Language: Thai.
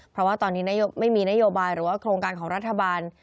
เพราะว่าตอนนี้ไม่มีนโยบายหรือว่าโครงการของรัฐบาล